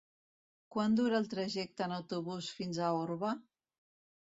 Quant dura el trajecte en autobús fins a Orba?